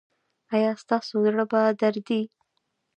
ایا ستاسو زړه به دریدي؟